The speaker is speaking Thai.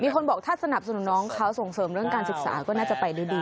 คนบอกถ้าสนับสนุนน้องเขาส่งเสริมเรื่องการศึกษาก็น่าจะไปดี